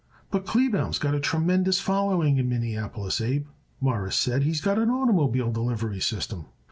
"But Kleebaum's got a tremendous following in Minneapolis, Abe," Morris said. "He's got an oitermobile delivery system."